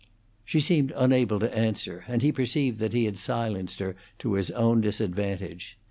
She seemed unable to answer, and he perceived that he had silenced her to his own disadvantage.